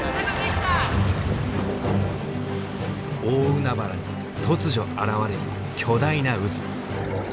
大海原に突如現れる巨大な渦。